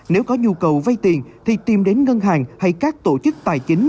nếu có nhu cầu vay tiền thì tìm đến ngân hàng hay các tổ chức tài chính